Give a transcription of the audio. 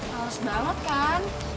halus banget kan